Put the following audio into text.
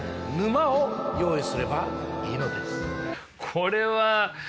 これは。